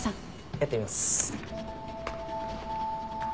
やってみます。